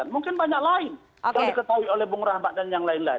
mungkin banyak lain yang diketahui oleh bung rahmat dan yang lain lain